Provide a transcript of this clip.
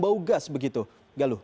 bau gas begitu galu